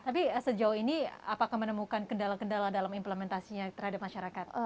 tapi sejauh ini apakah menemukan kendala kendala dalam implementasinya terhadap masyarakat